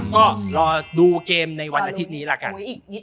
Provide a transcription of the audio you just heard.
ก็รอดูเกมในวันอาทิตย์นี้ละกัน